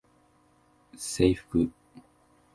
制服